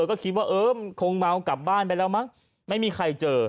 ก็คิดว่าเออมันคงเมากลับบ้านไปแล้วมั้งไม่มีใครเจอ